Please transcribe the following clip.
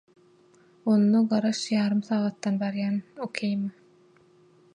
– Onda garaş ýarym sagatdan barýan, okeými?